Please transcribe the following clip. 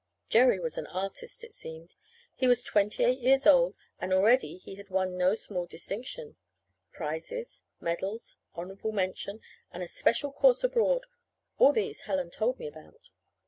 Jerry was an artist, it seemed. He was twenty eight years old, and already he had won no small distinction. Prizes, medals, honorable mention, and a special course abroad all these Helen told me about.